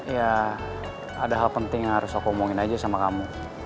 ya ada hal penting yang harus aku omongin aja sama kamu